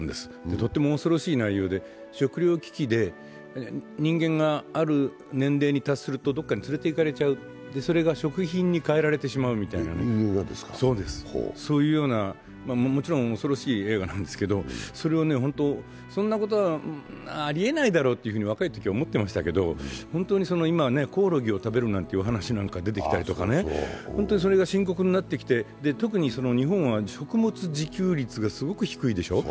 とっても恐ろしい内容で食料危機で人間がある年齢に達するとどこかに連れて行かれてしまう、それが食品に替えられてしまうという、そういうような恐ろしい映画なんですけどそんなことはありえないだろうと若いときは思ってましたけれども、本当に今、コオロギを食べるなんていう話が出てきたりとか、それが本当に深刻になってきて、特に日本は食物自給率がすごく低いでしょう。